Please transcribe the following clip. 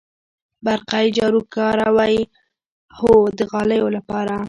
برقی جارو کاروئ؟ هو، د غالیو لپاره